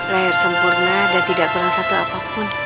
layar sempurna dan tidak kurang satu apapun